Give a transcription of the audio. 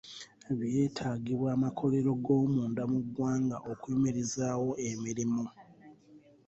Byetaagibwa amakolero g'omunda mu ggwanga okuyimirizaawo emirimu.